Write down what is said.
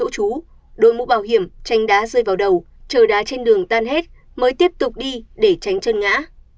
chú đôi mũ bảo hiểm tranh đá rơi vào đầu trờ đá trên đường tan hết mới tiếp tục đi để tránh chân ngã